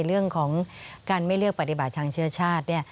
เรื่องของการไม่เลือกปฏิบัติทางเชื้อชาติเนี่ย